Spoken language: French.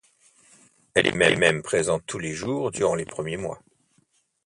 Elle est même présente tous les jours durant les premiers mois.